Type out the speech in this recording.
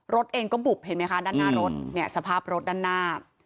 รถเองก็บุบเห็นไหมคะด้านหน้ารถเนี่ยสภาพรถด้านหน้า